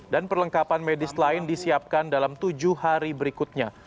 dan perlengkapan medis lain disiapkan dalam tujuh hari berikutnya